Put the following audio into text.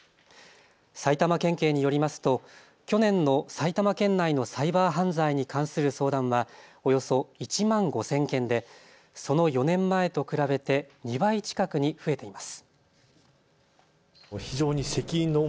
埼玉県警によりますと去年の埼玉県内のサイバー犯罪に関する相談はおよそ１万５０００件でその４年前と比べて２倍近くに増えています。